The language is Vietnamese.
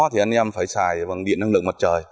thì anh em phải xài bằng điện năng lượng mặt trời